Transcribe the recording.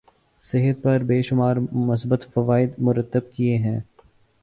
صحت پر بے شمار مثبت فوائد مرتب کیے ہیں